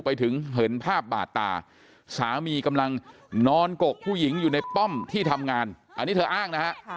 ไปถึงเห็นภาพบาดตาสามีกำลังนอนกกผู้หญิงอยู่ในป้อมที่ทำงานอันนี้เธออ้างนะฮะ